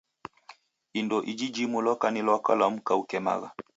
Indo iji jimu loka ni lwaka lwa mka ukemagha.